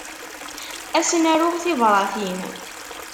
Ad sen-aruɣ tibratin.